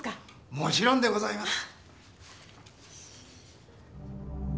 もちろんでございます。